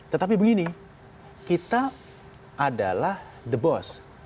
tetapi begini kita adalah the bost